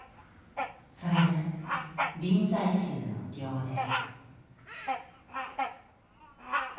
それが臨済宗の行です。